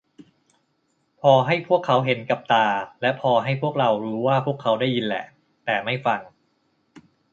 พอให้พวกเขาเห็นกับตา และพอให้พวกเรารู้ว่าพวกเขาได้ยินแหละ แต่ไม่ฟัง